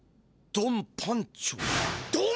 ドン・パンチョ！